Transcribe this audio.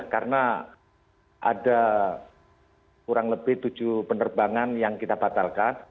karena ada kurang lebih tujuh penerbangan yang kita batalkan